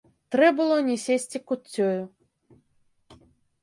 Трэ было не сесці куццёю.